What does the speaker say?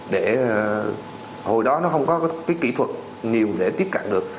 để hồi đó nó không có cái kỹ thuật nào để tiếp cận được